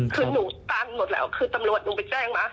คือหนูตามหมดแล้วคือตำรวจหนูไปแจ้งมา